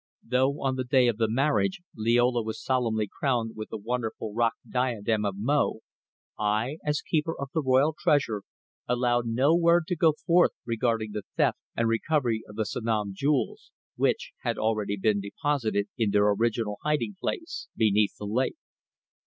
Though on the day of the marriage Liola was solemnly crowned with the wonderful Rock Diadem of Mo, I, as keeper of the royal treasure, allowed no word to go forth regarding the theft and recovery of the Sanom jewels, which had already been deposited in their original hiding place beneath the lake.